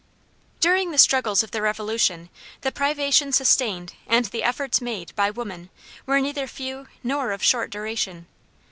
During the struggles of the Revolution, the privations sustained, and the efforts made, by women, were neither few nor of short duration.